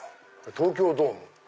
東京ドーム。